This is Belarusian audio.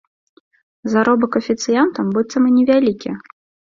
Заробак афіцыянтам быццам і невялікі.